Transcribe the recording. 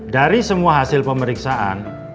dari semua hasil pemeriksaan